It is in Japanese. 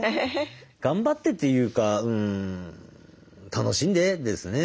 頑張ってっていうか楽しんで！ですね。